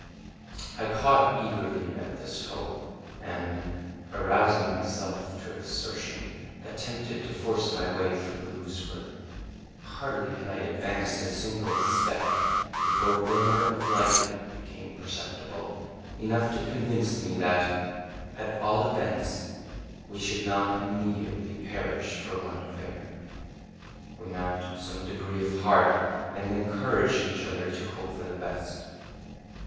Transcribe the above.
I caught eagerly at this hope, and, arousing myself to exertion, attempted to force my way through the loose earth. Hardly had I advanced a single step before a glimmer of light became perceptible, enough to convince me that, at all events, we should not immediately perish for want of air. We now took some degree of heart, and encouraged each other to hope for the best.